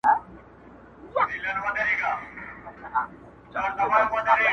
خپل به دي وژړوي، غليم به دي وخندوي.